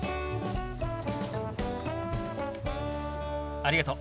ありがとう。